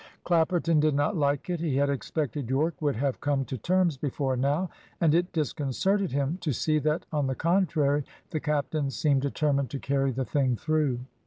Clapperton did not like it. He had expected Yorke would have come to terms before now, and it disconcerted him to see that, on the contrary, the captain seemed determined to carry the thing through.